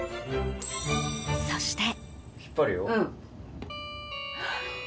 そして。